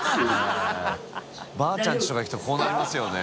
ばあちゃんの家とか行くとこうなりますよね。